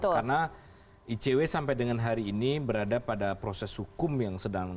karena icw sampai dengan hari ini berada pada proses hukum yang sedang ongoing